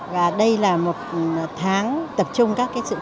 và đây là một tháng tập trung các sự tập trung